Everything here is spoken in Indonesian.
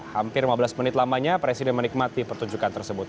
hampir lima belas menit lamanya presiden menikmati pertunjukan tersebut